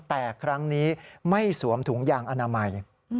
แต่ครั้งนี้ไม่สวมถุงยางอนามัย